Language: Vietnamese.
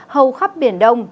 hầu khắp biển đông